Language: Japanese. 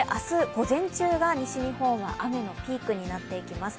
午前中は西日本は雨のピークになっていきます。